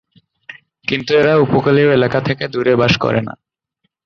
কিন্তু এরা উপকূলীয় এলাকা থেকে দূরে বাস করে না।